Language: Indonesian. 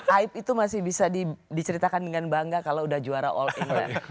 aib itu masih bisa diceritakan dengan bangga kalau udah juara all england